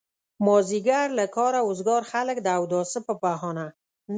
مازيګر له کاره وزګار خلک د اوداسه په بهانه.